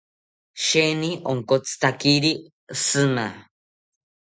Sheeni onkotzitakiri shima